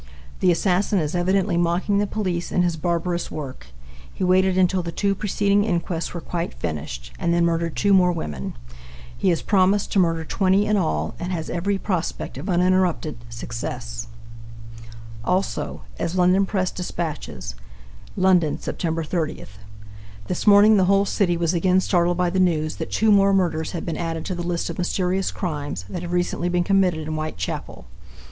The assassin is evidently mocking the police in his barbarous work. He waited until the two preceding inquests were quite finished, and then murdered two more women. He has promised to murder 20 in all, and has every prospect of uninterrupted success. As London Press Dispatches London, Sept. 30. This morning the whole city was again startled by the news that two more murders had been added to the list of mysterious crimes that have recently been committed in Whitechapel.